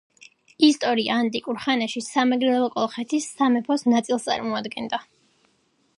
ისტორია ანტიკურ ხანაში სამეგრელო კოლხეთის სამეფოს ნაწილს წარმოადგენდა.